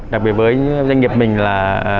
đặc biệt với doanh nghiệp mình là